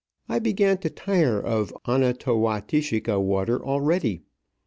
I began to tire of Ono towatishika water already.